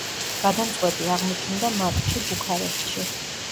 გადამწყვეტი აღმოჩნდა მატჩი ბუქარესტში.